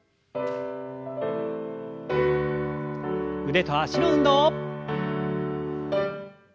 腕と脚の運動。